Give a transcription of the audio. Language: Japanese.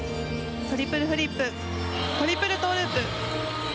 トリプルフリップトリプルトウループ。